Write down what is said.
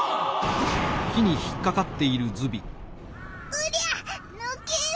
うりゃぬけろ！